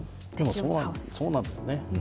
そうなんだよね。